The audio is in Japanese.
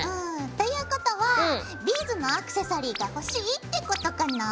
ということはビーズのアクセサリーが欲しいってことかなぁ？